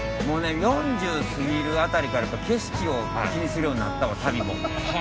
４０歳過ぎるあたりから景色を気にするようになったわ旅も。